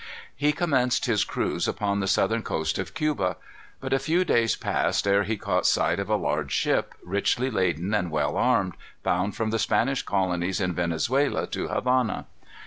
He commenced his cruise upon the southern coast of Cuba. But a few days passed ere he caught sight of a large ship, richly laden and well armed, bound from the Spanish colonies in Venezuela to Havana.